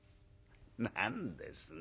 何ですね